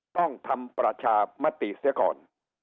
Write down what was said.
ต้องทำประชามติเสียก่อน